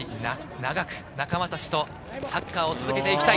長く仲間たちとサッカーを続けていきたい。